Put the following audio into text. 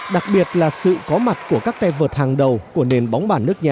đặc biệt là sự có mặt của các tay vợt hàng đầu của nền bóng